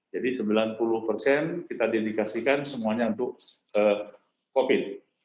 jadi sembilan puluh persen kita dedikasikan semuanya untuk covid sembilan belas